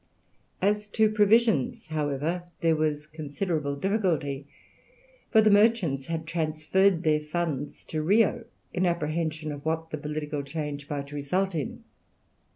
As to provisions, however, there was considerable difficulty, for the merchants had transferred their funds to Rio, in apprehension of what the political change might result in.